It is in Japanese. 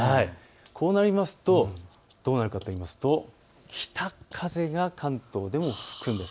こうなりますとどうなるかというと北風が関東でも吹くんです。